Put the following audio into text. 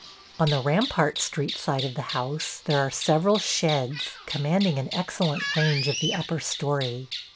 On the Rampart Street side of the house there are several sheds, commanding an excellent range of the upper story.